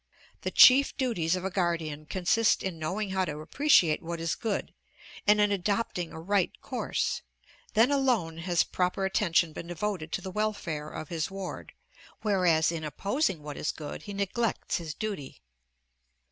The chief duties of a guardian consist in knowing how to appreciate what is good, and in adopting a right course; then alone has proper attention been devoted to the welfare of his ward, whereas in opposing what is good he neglects his duty.